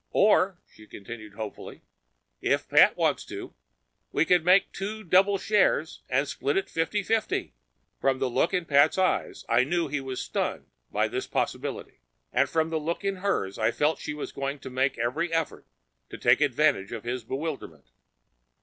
"Or," she continued hopefully, "if Pat wants to, we could make two double shares, and split it fifty fifty?" From the look in Pat's eyes I knew he was stunned by this possibility. And from the look in hers, I felt she was going to make every effort to take advantage of his bewilderment.